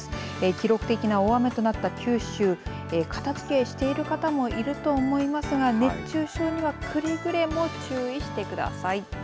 記録的な大雨となった九州片づけしてる方もいると思いますが熱中症にはくれぐれも注意してください。